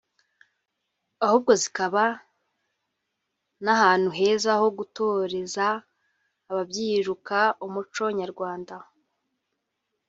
ahubwo zikaba n’ahantu heza ho gutoreza ababyiruka umuco nyarwanda